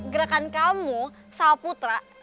gerakan kamu sawap putra